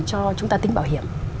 cho chúng ta tính bảo hiểm